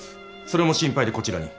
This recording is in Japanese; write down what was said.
それも心配でこちらに。